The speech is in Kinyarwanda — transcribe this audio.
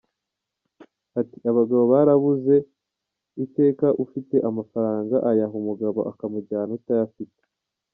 Ati “Abagabo barabuze! Iteka ufite amafaranga ayaha umugabo akamujyana utayafite.